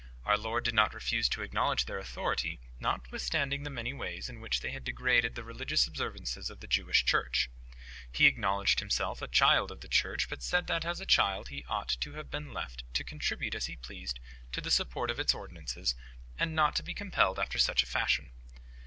Our Lord did not refuse to acknowledge their authority, notwithstanding the many ways in which they had degraded the religious observances of the Jewish Church. He acknowledged himself a child of the Church, but said that, as a child, He ought to have been left to contribute as He pleased to the support of its ordinances, and not to be compelled after such a fashion."